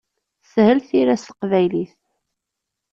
Teshel tira s teqbaylit.